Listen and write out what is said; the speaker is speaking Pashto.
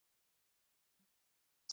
ننګرهار د افغانستان د صادراتو برخه ده.